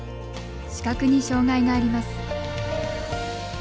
視覚に障害があります。